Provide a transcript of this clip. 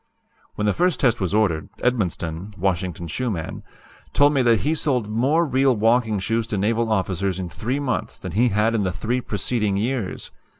"When the first test was ordered, Edmonston (Washington shoe man) told me that he sold more real walking shoes to naval officers in three months than he had in the three preceding years.